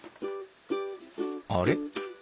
あれ？